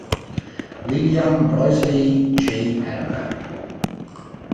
William Broyles Jr.